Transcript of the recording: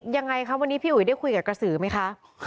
ยังไงคะวันนี้พี่อุ๋ยได้คุยกับกระสือไหมคะ